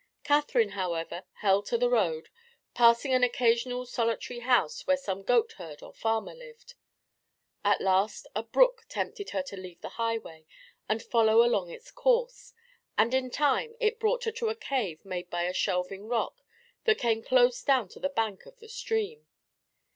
Catherine, however, held to the road, passing an occasional solitary house where some goat herd or farmer lived. At last a brook tempted her to leave the highway and follow along its course, and in time it brought her to a cave made by a shelving rock that came close down to the bank of the stream.